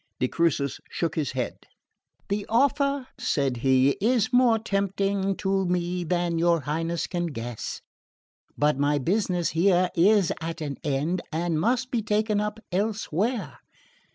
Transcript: De Crucis shook his head. "The offer," said he, "is more tempting to me than your Highness can guess; but my business here is at an end, and must be taken up elsewhere.